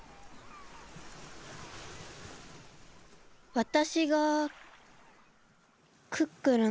わたしがクックルンか。